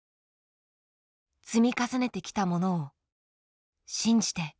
積み重ねてきたものを信じて。